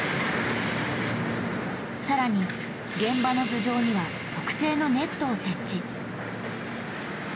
更に現場の頭上には特製のネットを設置。